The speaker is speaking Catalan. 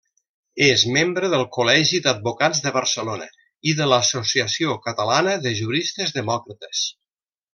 És membre del Col·legi d'Advocats de Barcelona i de l'Associació Catalana de Juristes Demòcrates.